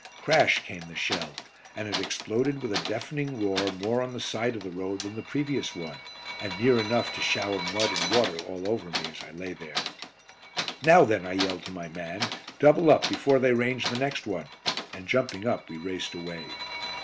Crash came the shell, and it exploded with a deafening roar more on the side of the road than the previous one, and near enough to shower mud and water all over me as I lay there. "Now then," I yelled to my man, "double up before they range the next one," and jumping up we raced away.